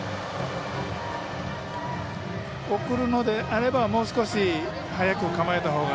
送るのであればもう少し早く構えたほうが。